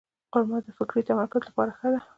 خرما د فکري تمرکز لپاره ښه ده.